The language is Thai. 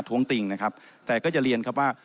้วงติงนะครับแต่ก็จะเรียนครับว่า